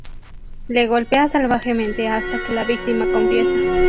Le golpea salvajemente hasta que la víctima confiesa.